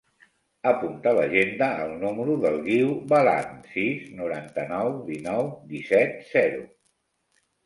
Apunta a l'agenda el número del Guiu Balan: sis, noranta-nou, dinou, disset, zero.